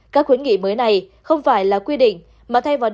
các khuyến nghị mới này không phải là quy định